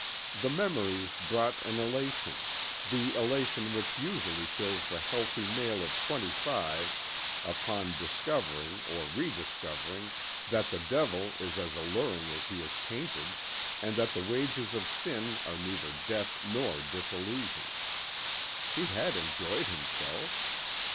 The memories brought an elation, the elation which usually fills the healthy male of twenty five upon discovering or rediscovering that the Devil is as alluring as he is painted and that the wages of sin are neither death nor disillusion. He had enjoyed himself.